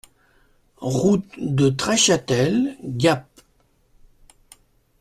Route de Treschâtel, Gap